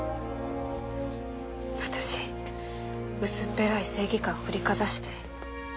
私薄っぺらい正義感振りかざして。